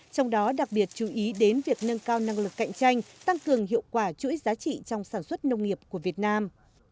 trong đó đặc biệt chú ý đến việc nâng cao năng lực cạnh tranh tăng cường hiệu quả chuỗi giá trị trong sản xuất nông nghiệp của việt nam